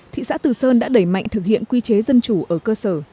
thị xã từ sơn đã đẩy mạnh thực hiện quy chế dân chủ ở cơ sở